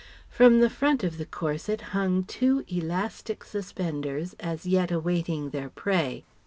From the front of the corset hung two elastic suspenders as yet awaiting their prey.